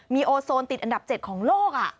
มีโอโซนติดอันดับ๗ของโลก